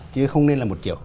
chứ không nên là một kiểu